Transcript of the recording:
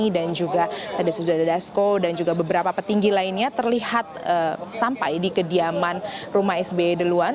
dan juga ada sudada dasko dan juga beberapa petinggi lainnya terlihat sampai di kediaman rumah sba duluan